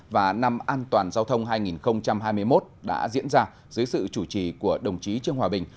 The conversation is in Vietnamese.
và năm an toàn giao thông hai nghìn hai mươi một đã diễn ra dưới sự chủ trì của đồng chí trương hòa bình